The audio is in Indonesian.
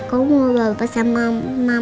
aku mau bawa pesan mama sama papa ya